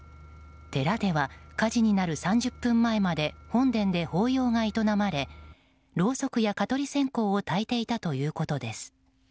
寺では火事になる３０分前まで本殿で法要が営まれろうそくや蚊取り線香をたいていたということです。